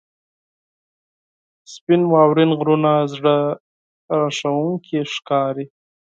• سپین واورین غرونه زړه راښکونکي ښکاري.